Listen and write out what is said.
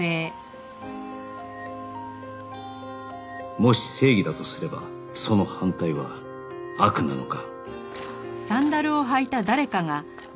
もし正義だとすればその反対は悪なのか